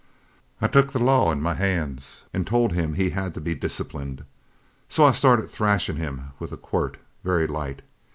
I took the law in my hands an' told him he had to be disciplined. So I started thrashin' him with a quirt, very light.